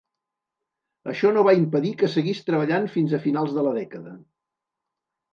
Això no va impedir que seguís treballant fins a finals de la dècada.